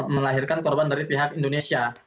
melahirkan korban dari pihak indonesia